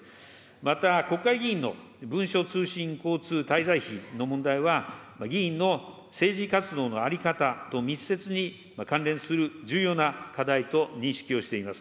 また、国会議員の文書通信交通滞在費の問題は、議員の政治活動の在り方と密接に関連する重要な課題と認識をしております。